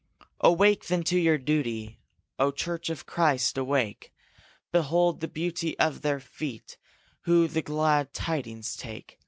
Awake, then, to your duty, O church of Christ, awake! Behold the beauty of their feet Who the glad tidings take!